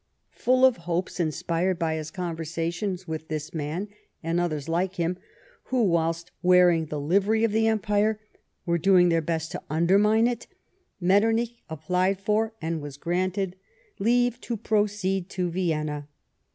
Full of hopes inspired by his conversation with this man and others like him, who, whilst wearing the livery of the Empire, were doing their best to undermine it, Metternich applied for, and was granted, leave to proceed to Vienna.